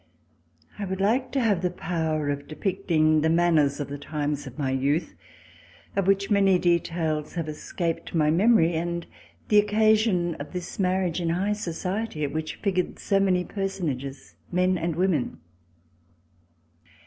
I WOULD like to have the power of depicting the manners of the times of my youth, of which many details have escaped my memory, and the occasion of this marriage in high society, at which figured so many personages, men and women.